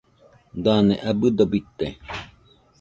Dane abɨdo bite